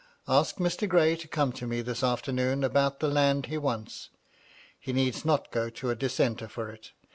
Ask Mr. Gray to come up to me this afternoon about the land be wants. He need not go to a Dissenter for it.